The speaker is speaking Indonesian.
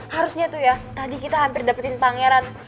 harusnya tuh ya tadi kita hampir dapetin pangeran